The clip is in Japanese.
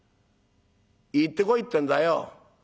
行ってこいってえんだよ。